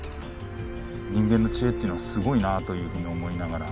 人間の知恵っていうのはすごいなというふうに思いながら。